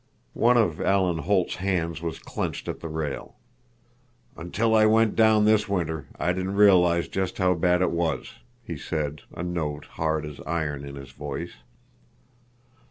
One of Alan Holt's hands was clenched at the rail. "Until I went down this winter, I didn't realize just how bad it was," he said, a note hard as iron in his voice.